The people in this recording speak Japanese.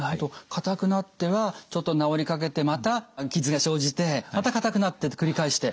硬くなってはちょっと治りかけてまた傷が生じてまた硬くなってって繰り返して。